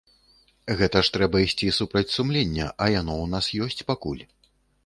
Гэта ж трэба ісці супраць сумлення, а яно ў нас ёсць пакуль.